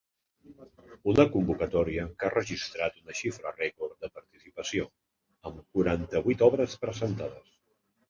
Una convocatòria que ha registrat una xifra rècord de participació, amb quaranta-vuit obres presentades.